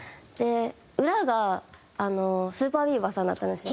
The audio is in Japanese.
裏がＳＵＰＥＲＢＥＡＶＥＲさんだったんですよ。